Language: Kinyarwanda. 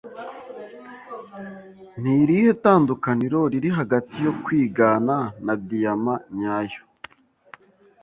Ni irihe tandukaniro riri hagati yo kwigana na diyama nyayo?